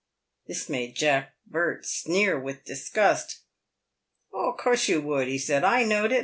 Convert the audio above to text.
This made Mr. Jack Burt sneer with disgust. " O' coorse you would," he said. " I knowed it.